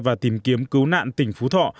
và tìm kiếm cứu nạn tỉnh phú thọ